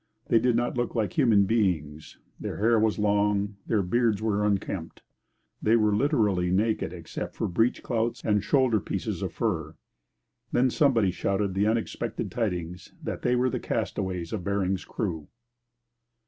They did not look like human beings; their hair was long; their beards were unkempt. They were literally naked except for breech clouts and shoulder pieces of fur. Then somebody shouted the unexpected tidings that they were the castaways of Bering's crew.